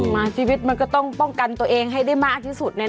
มาชีวิตมันก็ต้องป้องกันตัวเองให้ได้มากที่สุด